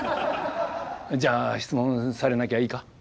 じゃあ質問されなきゃいいか？